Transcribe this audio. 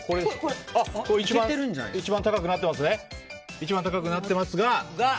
一番高くなってますが。